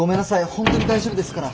本当に大丈夫ですから。